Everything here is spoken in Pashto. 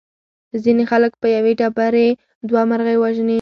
ځینې خلک په یوې ډبرې دوه مرغۍ وژني.